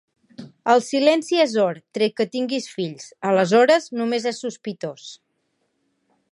El silenci és or, tret que tingues fills; aleshores només és sospitós...